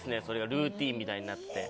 ルーティンみたいになって。